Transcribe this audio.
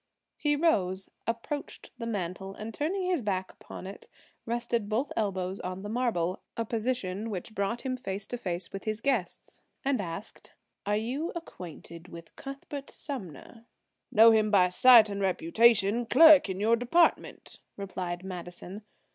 He rose, approached the mantel, and turning his back upon it, rested both elbows on the marble–a position which brought him face to face with his guests, and asked: "Are you acquainted with Cuthbert Sumner?" "Know him by sight and reputation. Clerk in your department," replied Madison.